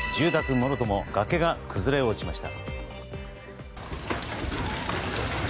もろとも崖が崩れ落ちました。